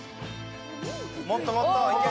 もっともっといけ。